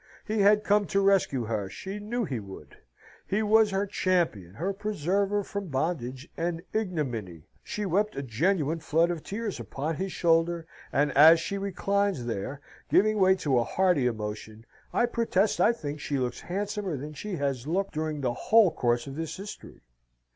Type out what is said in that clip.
He had come to rescue her. She knew he would; he was her champion, her preserver from bondage and ignominy. She wept a genuine flood of tears upon his shoulder, and as she reclines there, giving way to a hearty emotion, I protest I think she looks handsomer than she has looked during the whole course of this history.